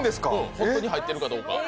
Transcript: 本当に入ってるかどうか。